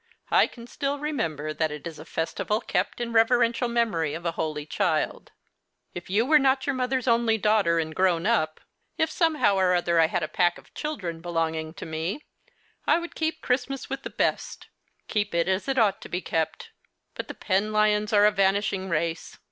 I can still remember that it is a festival kept in reverential memory of a Holy Child. If you The Christmas Hirelings. 27 were not your mother's only daughter and grown up — if somehow or other I had a pack of children belonging to me, I would keep Christmas with the best — keep it as it ought to be kept. But tlie Penlyons are a vanishing race.